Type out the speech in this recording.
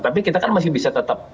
tapi kita kan masih bisa tetap